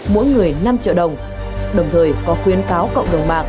mỗi người năm triệu đồng đồng thời có khuyến cáo cộng đồng mạng